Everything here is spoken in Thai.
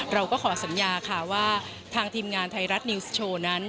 เราก็ขอสัญญาค่ะว่าทางทีมงานไทยรัฐนิวส์โชว์นั้น